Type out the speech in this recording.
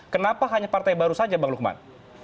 kenapa hanya partai baru saja bang lukman